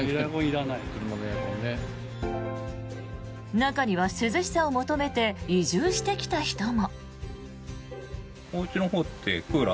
中には涼しさを求めて移住してきた人も。